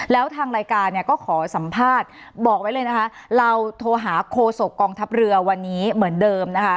แล้วทางรายการเนี่ยก็ขอสัมภาษณ์บอกไว้เลยนะคะเราโทรหาโคศกองทัพเรือวันนี้เหมือนเดิมนะคะ